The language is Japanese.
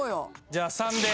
じゃあ３で。